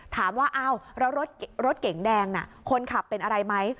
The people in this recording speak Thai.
ถามว่าอ้าวแล้วรถเก๋งแดงน่ะคนขับเป็นอะไรไหม